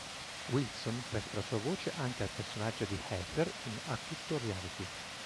Wilson presta la sua voce anche al personaggio di Heather in A tutto reality.